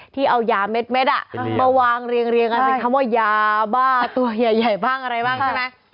ที่เอายาเม็ดมาวางเรียงกันเป็นคำว่ายาบ้าตัวใหญ่บ้างอะไรบ้างใช่ไหม